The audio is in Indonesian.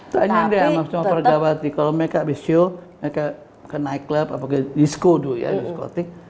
tanya deh sama semua pergawati kalau mereka besok mereka ke nightclub disko dulu ya disko ting